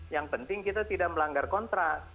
yang penting kita tidak melanggar kontrak